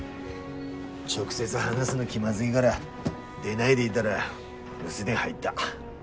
直接話すの気まずいがら出ないでいだら留守電入った。